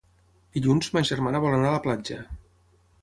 Dilluns ma germana vol anar a la platja.